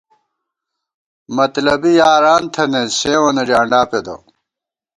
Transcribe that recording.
مطلبی یاران تھنَئیت، سیوں وَنہ ڈیانڈاپېدہ